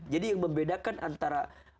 jadi yang membedakan antara